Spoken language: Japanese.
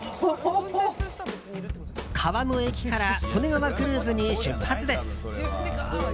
川の駅から利根川クルーズに出発です。